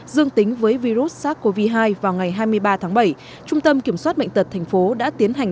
dương tính với virus sars cov hai vào ngày hai mươi ba tháng bảy trung tâm kiểm soát bệnh tật thành phố đã tiến hành